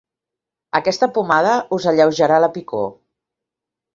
Aquesta pomada us alleujarà la picor.